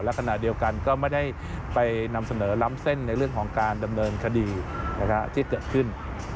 และขณะเดียวกันก็ไม่ได้ไปนำเสนอล้ำเส้นในเรื่องของการดำเนินคดีที่เกิดขึ้น